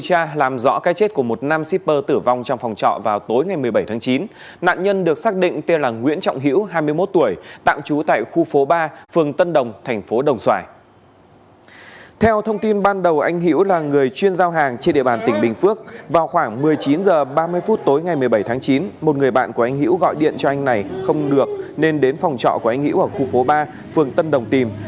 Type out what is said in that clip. vào khoảng một mươi chín h ba mươi phút tối ngày một mươi bảy tháng chín một người bạn của anh hữu gọi điện cho anh này không được nên đến phòng trọ của anh hữu ở khu phố ba phường tân đồng tìm